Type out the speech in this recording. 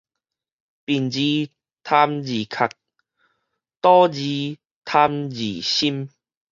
貪字貧字殼，賭字貪字心